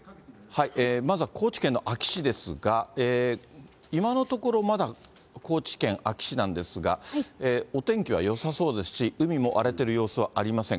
まずは高知県の安芸市ですが、今のところ、まだ、高知県安芸市なんですが、お天気はよさそうですし、海も荒れてる様子はありません。